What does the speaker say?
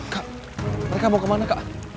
kak mereka mau kemana kak